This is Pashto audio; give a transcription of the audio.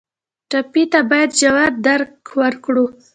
ټپي ته باید ژور درک ورکړو.